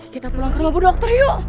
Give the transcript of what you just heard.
kita pulang ke rumah bu dokter yuk